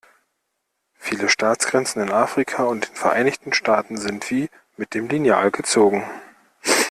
Viele Staatsgrenzen in Afrika und den Vereinigten Staaten sind wie mit dem Lineal gezogen.